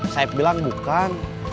saeb bilang bukan